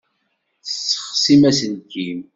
Tessexsim aselkim.